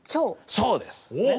そうです！